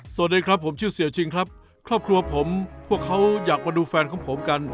สวัสดีครับผมชื่อเสียจริงครับครอบครัวผมพวกเขาอยากมาดูแฟนของผมกัน